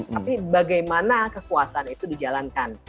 tapi bagaimana kekuasaan itu dijalankan